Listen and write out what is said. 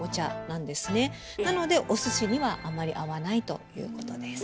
なのでお寿司にはあまり合わないということです。